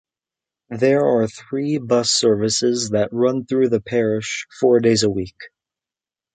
There are three bus services that run through the parish, four days a week.